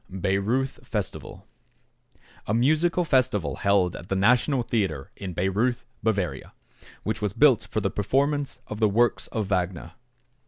=Bayreuth Festival.= A musical festival held at the National Theatre in Bayreuth, Bavaria, which was built for the performance of the works of Wagner.